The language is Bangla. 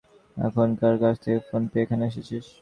এখন কার কাছ থেকে ফোন পেয়ে এখানে এসেছিস?